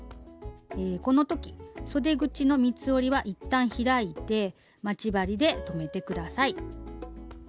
この時そで口の三つ折りは一旦開いて待ち針で留めて下さい。